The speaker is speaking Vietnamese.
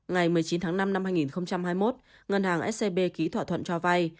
ngày một mươi chín tháng năm năm hai nghìn hai mươi một ngân hàng scb ký thỏa thuận cho vay